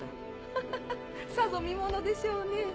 ホホホさぞ見ものでしょうね。